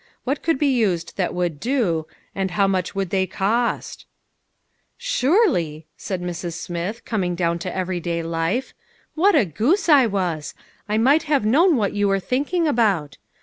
What could be used that would do, and how much would they cost ?"" Surely 1 " said Mrs. Smith, coming down to everyday life. " What a goose I was. I might have known what you were thinking about.